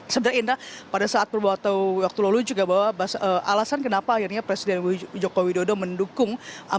sebenarnya indra pada saat beberapa waktu lalu juga bahwa alasan kenapa akhirnya presiden joko widodo mendukung